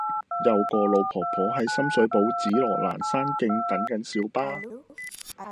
有個老婆婆喺深水埗紫羅蘭山徑等緊小巴